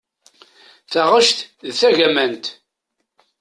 Taɣect d tagamant.